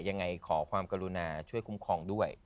ยังไงขอความกรุณาช่วยคุ้มครองด้วย